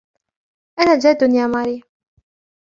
أنا جادٌّ يا ماري.